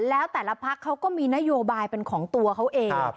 แล้วแต่ละพักเขาก็มีนโยบายเป็นของตัวเขาเอง